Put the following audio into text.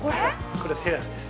◆これセラーです。